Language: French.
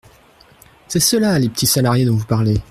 C’est cela, les petits salariés dont vous parlez.